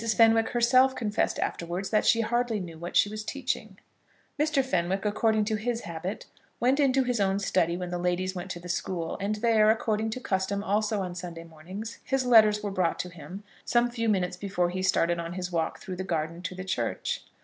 Fenwick herself confessed afterwards that she hardly knew what she was teaching. Mr. Fenwick, according to his habit, went into his own study when the ladies went to the school, and there, according to custom also on Sunday mornings, his letters were brought to him, some few minutes before he started on his walk through the garden to the church.